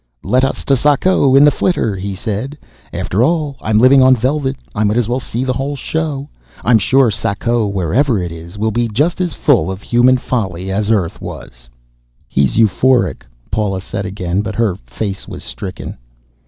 "Let us to Sako in the flitter," he said. "After all, I'm living on velvet, I might as well see the whole show. I'm sure that Sako, wherever it is, will be just as full of human folly as Earth was." "He's euphoric," Paula said again, but her face was stricken.